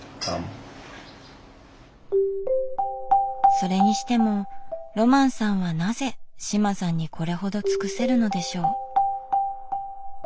それにしてもロマンさんはなぜ志麻さんにこれほど尽くせるのでしょう？